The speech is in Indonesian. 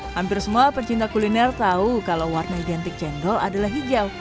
hampir semua pecinta kuliner tahu kalau warna identik cendol adalah hijau